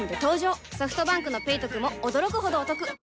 ソフトバンクの「ペイトク」も驚くほどおトク